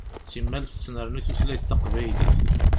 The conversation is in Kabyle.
Simmal tettnerni tutlayt taqbaylit.